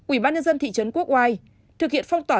ubnd thị trấn quốc oai thực hiện phong tỏa